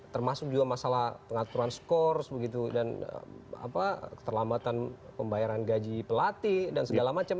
termasuk juga masalah pengaturan skor dan keterlambatan pembayaran gaji pelatih dan segala macam